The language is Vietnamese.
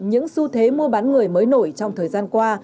những xu thế mua bán người mới nổi trong thời gian qua